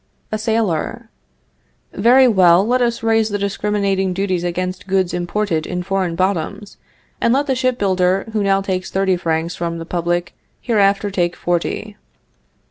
"A Sailor. Very well, let us raise the discriminating duties against goods imported in foreign bottoms, and let the ship builder, who now takes thirty francs from the public, hereafter take forty.